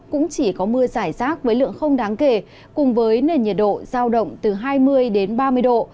cũng chỉ có mưa giải rác với lượng không đáng kể cùng với nền nhiệt độ giao động từ hai mươi ba mươi độ